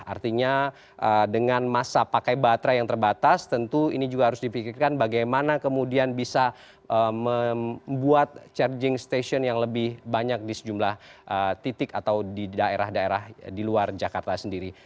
artinya dengan masa pakai baterai yang terbatas tentu ini juga harus dipikirkan bagaimana kemudian bisa membuat charging station yang lebih banyak di sejumlah titik atau di daerah daerah di luar jakarta sendiri